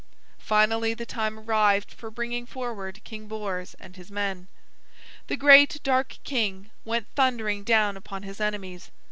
Finally the time arrived for bringing forward King Bors and his men. The great dark king went thundering down upon his enemies.